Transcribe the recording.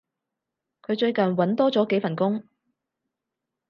佢最近搵多咗幾份工